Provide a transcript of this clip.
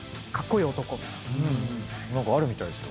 何かあるみたいですよ。